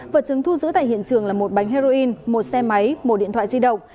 vật chứng thu giữ tại hiện trường là một bánh heroin một xe máy một điện thoại di động